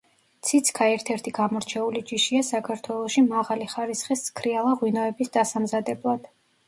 ციცქა ერთ-ერთი გამორჩეული ჯიშია საქართველოში მაღალი ხარისხის ცქრიალა ღვინოების დასამზადებლად.